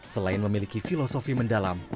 selain memiliki filosofi mendalam